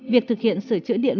việc thực hiện sửa chữa điện